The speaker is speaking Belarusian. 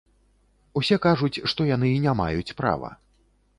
Усе кажуць, што яны не маюць права.